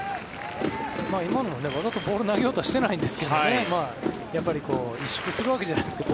今のわざとボールを投げようとしてないんですけどやっぱり意識するわけじゃないですか。